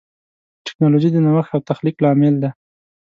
ټکنالوجي د نوښت او تخلیق لامل ده.